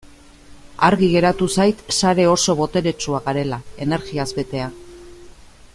Argi geratu zait sare oso boteretsua garela, energiaz betea.